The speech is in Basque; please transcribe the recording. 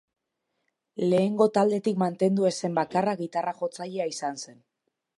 Lehengo taldetik mantendu ez zen bakarra gitarra-jotzailea izan zen.